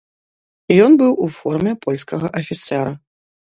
Ён быў у форме польскага афіцэра.